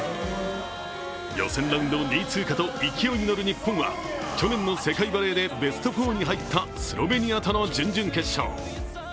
予選ラウンド２位通過と勢いに乗る日本は去年の世界バレーでベスト４に入ったスロベニアとの準々決勝。